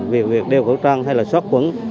vì việc đeo khẩu trang hay là xót quẩn